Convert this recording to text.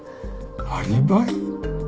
アリバイ？